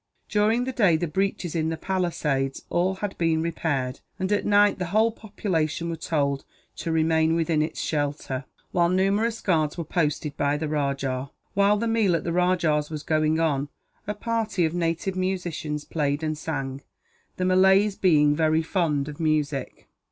During the day the breaches in the palisades had all been repaired and, at night, the whole population were told to remain within its shelter, while numerous guards were posted by the rajah. While the meal at the rajah's was going on, a party of native musicians played and sang, the Malays being very fond of music.